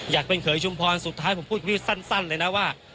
อยากเป็นเขยชุมพรสุดท้ายผมพูดพี่สั้นเลยนะว่า